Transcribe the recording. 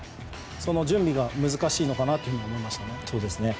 その準備が難しいのかなと思いました。